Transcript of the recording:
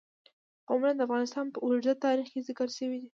قومونه د افغانستان په اوږده تاریخ کې ذکر شوی دی.